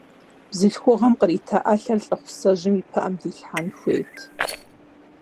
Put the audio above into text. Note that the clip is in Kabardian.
Бзылъхугъэм кърита ӏэлъэр лӏыхъусэжьым и пыӏэм дилъхьэн хуейт.